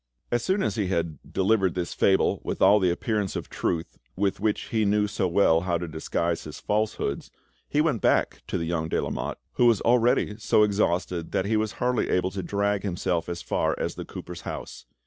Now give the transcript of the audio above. As soon as he had delivered this fable with all the appearance of truth with which he knew so well how to disguise his falsehoods, he went back to the young de Lamotte, who was already so exhausted that he was hardly able to drag himself as far as the cooper's house.